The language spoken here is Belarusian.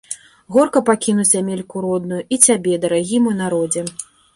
Горка пакінуць зямельку родную і цябе, дарагі мой народзе.